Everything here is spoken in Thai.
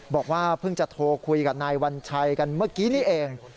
บอกว่าเพิ่งจะโทรคุยกับนายวัญชัยกันเมื่อกี้นี่เอง